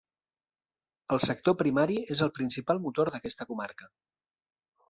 El sector primari és el principal motor d'aquesta comarca.